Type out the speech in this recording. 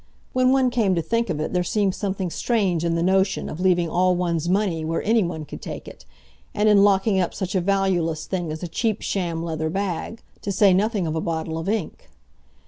When one came to think of it there seemed something strange in the notion of leaving all one's money where anyone could take it, and in locking up such a valueless thing as a cheap sham leather bag, to say nothing of a bottle of ink.